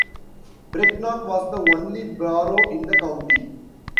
Brecknock was the only borough in the county.